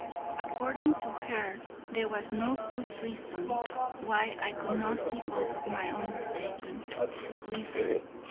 According to her, there was no good reason why I could not give up my undertaking, to please her.